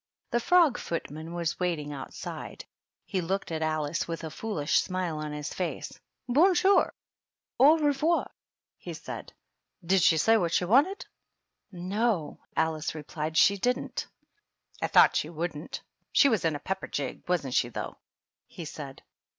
The frog footman was waiting outside; he looked at Alice with a foolish smile on his face. 52 THE DUCHESS AND HER HOUSE. "jffo/i jour I Au revoir /" he said. " Did she say what she wanted?" " No," Alice replied, " she didn't." " I thought she wouldn't. She was in a pep per jig, wasn't she, though?" he said.